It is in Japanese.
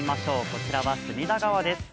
こちらは隅田川です。